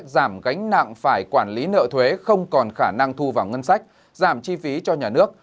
giảm gánh nặng phải quản lý nợ thuế không còn khả năng thu vào ngân sách giảm chi phí cho nhà nước